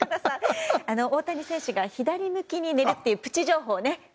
大谷選手が左向きに寝るというプチ情報をね。